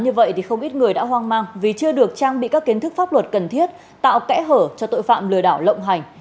như vậy thì không ít người đã hoang mang vì chưa được trang bị các kiến thức pháp luật cần thiết tạo kẽ hở cho tội phạm lừa đảo lộng hành